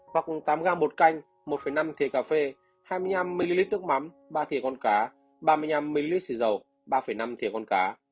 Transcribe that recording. hoặc tám g bột canh một năm thịa cà phê hai mươi năm ml nước mắm ba thịa con cá ba mươi năm ml xì dầu ba năm thịa con cá